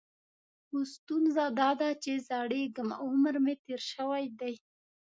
خو ستونزه دا ده چې زړیږم او عمر مې ډېر شوی دی.